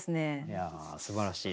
いやすばらしい。